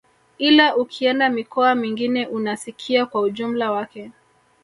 Ila ukienda mikoa mingine unasikia kwa ujumla wake